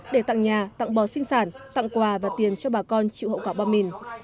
để tặng nhà tặng bò sinh sản tặng quà và tiền cho bà con chịu hậu quả bom mìn